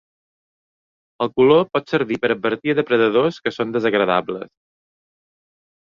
El color pot servir per advertir a depredadors que són desagradables.